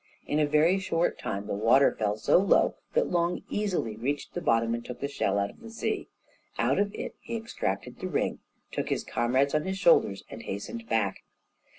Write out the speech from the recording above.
In a very short time the water fell so low that Long easily reached the bottom and took the shell out of the sea. Out of it he extracted the ring, took his comrades on his shoulders and hastened back.